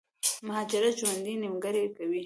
مهاجرت ژوند نيمګړی کوي